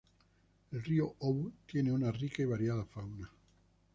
El Río Ou tiene una rica y variada fauna.